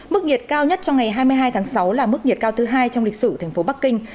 mức nhiệt cao nhất trong ngày hai mươi hai tháng sáu là mức nhiệt cao thứ hai trong lịch sử thành phố bắc kinh